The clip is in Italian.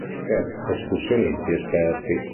Per escursionisti esperti.